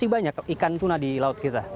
banyak ikan tuna di laut kita